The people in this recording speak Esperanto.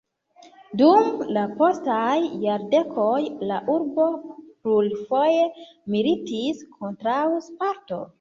Dum la postaj jardekoj la urbo plurfoje militis kontraŭ Sparto.